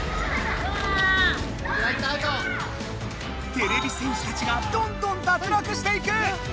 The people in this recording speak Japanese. てれび戦士たちがどんどん脱落していく！